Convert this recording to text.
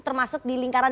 termasuk di lingkaran